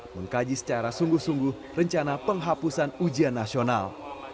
mengkaji secara sungguh sungguh rencana penghapusan ujian nasional